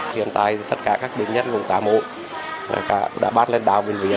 hiện tại thì tất cả các bệnh nhân cũng tả mộ đã bắt lên đảo bệnh viện